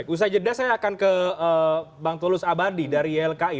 usai jeda saya akan ke bang tulus abadi dari ylki